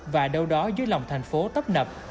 và đâu đó dưới lòng thành phố tấp nập